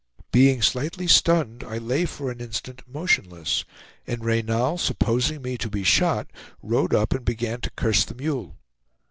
Being slightly stunned, I lay for an instant motionless, and Reynal, supposing me to be shot, rode up and began to curse the mule.